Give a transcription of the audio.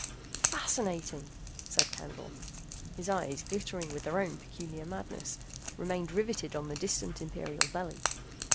"Fascinating!" said Candle. His eyes, glittering with their own peculiar madness, remained riveted on the distant imperial belly.